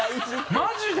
マジで？